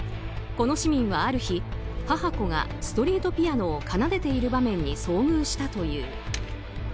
この市民はある日、母子がストリートピアノを奏でている場面に遭遇したという。